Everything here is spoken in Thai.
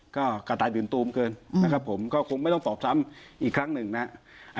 ก็กระต่ายอื่นตูมเกินนะครับผมก็คงไม่ต้องสอบซ้ำอีกครั้งหนึ่งนะครับ